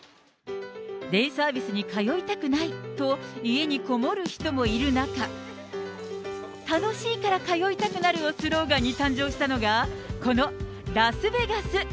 デイサービスに通いたくないと、家にこもる人もいる中、楽しいから通いたくなるをスローガンに誕生したのが、このラスベガス。